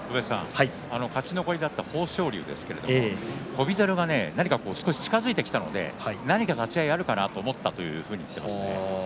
勝ち残りだった豊昇龍ですが翔猿が何か少し近づいてきたので何か立ち合いでやるかなと思ったと言っています。